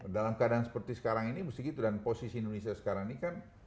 dalam keadaan seperti sekarang ini mesti gitu dan posisi indonesia sekarang ini kan